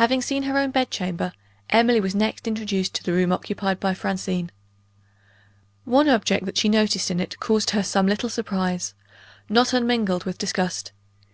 Having seen her own bed chamber, Emily was next introduced to the room occupied by Francine. One object that she noticed in it caused her some little surprise not unmingled with disgust.